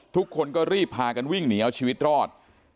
ทุกคนก็รีบพากันวิ่งหนีเอาชีวิตรอด